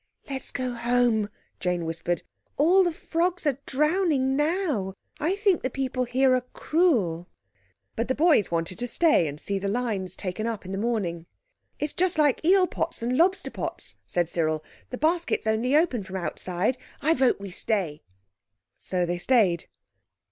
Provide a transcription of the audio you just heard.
"Let's go home," Jane whispered, "all the frogs are drowning now. I think the people here are cruel." But the boys wanted to stay and see the lines taken up in the morning. "It's just like eel pots and lobster pots," said Cyril, "the baskets only open from outside—I vote we stay." So they stayed.